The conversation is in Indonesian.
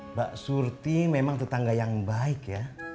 mbak surti memang tetangga yang baik ya